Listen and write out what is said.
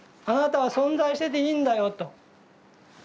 「あなたは存在してていいんだよ」と。